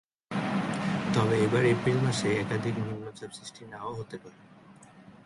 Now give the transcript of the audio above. তবে এবার এপ্রিল মাসে একাধিক নিম্নচাপ সৃষ্টি না ও হতে পারে।